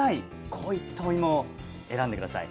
こういったおいも選んで下さい。